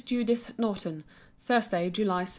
JUDITH NORTON THURSDAY, JULY 6.